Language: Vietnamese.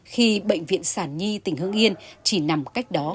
khi bệnh viện sản nhi tỉnh hương yên chỉ nằm cách đó